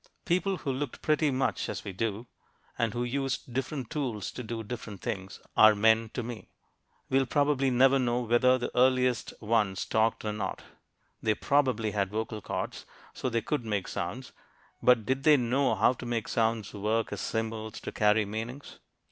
People who looked pretty much as we do, and who used different tools to do different things, are men to me. We'll probably never know whether the earliest ones talked or not. They probably had vocal cords, so they could make sounds, but did they know how to make sounds work as symbols to carry meanings?